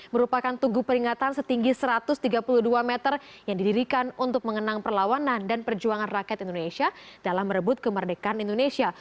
merupakan tugu peringatan setinggi satu ratus tiga puluh dua meter yang didirikan untuk mengenang perlawanan dan perjuangan rakyat indonesia dalam merebut kemerdekaan indonesia